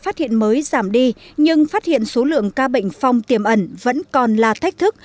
phát hiện mới giảm đi nhưng phát hiện số lượng ca bệnh phong tiềm ẩn vẫn còn là thách thức